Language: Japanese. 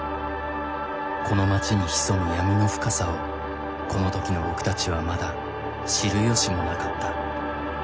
この町に潜む闇の深さをこの時の僕たちはまだ知る由もなかった。